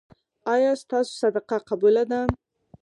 ایا ستاسو صدقه قبوله ده؟